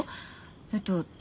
えっと